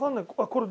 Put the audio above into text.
これ。